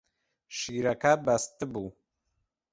شیرەکە بەستبوو.